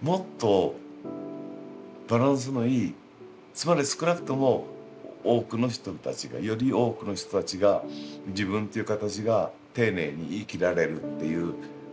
もっとバランスのいいつまり少なくともより多くの人たちが自分っていう形が丁寧に生きられるっていう。